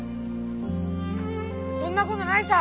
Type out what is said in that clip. そんなことないさ。